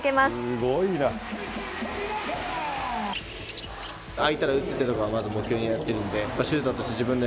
すごいなあ。